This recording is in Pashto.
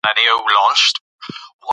لوستې نجونې د ټولنې ګډې پرېکړې پياوړې کوي.